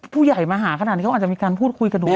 ผู้ใหญ่มาหาขนาดนี้เขาอาจจะมีการพูดคุยกันดู